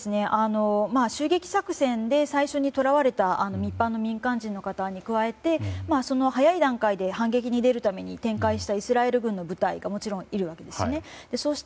襲撃作戦で最初にとらわれた一般の民間人の方に加えて早い段階で反撃に出るために展開したイスラエル軍の部隊がもちろんいるわけですね。